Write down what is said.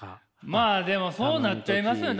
まあでもそうなっちゃいますよ。